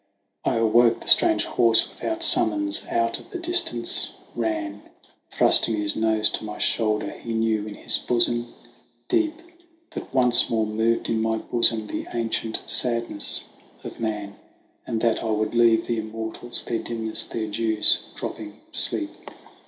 T awoke : the strange horse without summons out of the distance ran, Thrusting his nose to my shoulder; he knew in his bosom deep That once more moved in my bosom the ancient sadness of man, And that I would leave the immortals, their dimness, their clews dropping sleep.